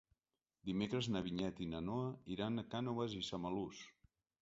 Dimecres na Vinyet i na Noa iran a Cànoves i Samalús.